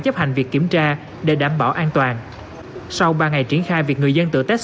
chấp hành việc kiểm tra để đảm bảo an toàn sau ba ngày triển khai việc người dân tự tết